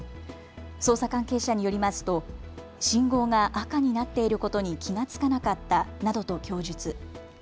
捜査関係者によりますと信号が赤になっていることに気が付かなかったなどと供述。